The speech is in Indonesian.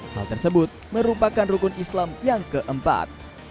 hal tersebut merupakan rukun islam yang keempat